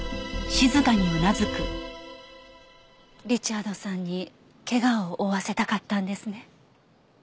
リチャードさんに怪我を負わせたかったんですね。